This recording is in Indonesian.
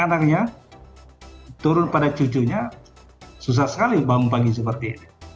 ya anak anaknya sudah turun pada cucunya susah sekali bangun pagi seperti ini